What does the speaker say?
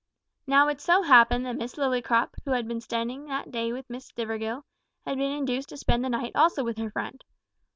Now it so happened that Miss Lillycrop, who had been spending that day with Miss Stivergill, had been induced to spend the night also with her friend.